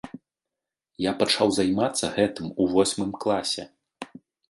Я пачаў займацца гэтым у восьмым класе.